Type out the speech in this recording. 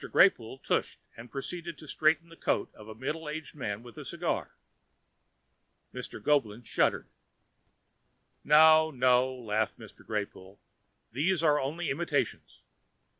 Greypoole tushed and proceeded to straighten the coat of a middle aged man with a cigar. Mr. Goeblin shuddered. "No, no," laughed Mr. Greypoole, "these are only imitations. Mr.